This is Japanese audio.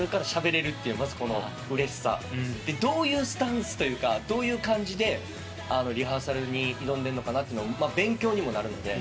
どういうスタンスというかどういう感じでリハーサルに挑んでんのかなって勉強にもなるので。